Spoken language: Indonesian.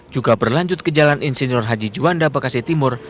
juga berlanjut ke jalan insinyur haji juanda bekasi timur